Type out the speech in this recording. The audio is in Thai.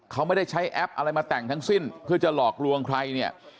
เขาไม่ได้ใช้แอปอะไรมาแต่งทั้งสิ้นเพื่อจะหลอกลวงใครเนี่ย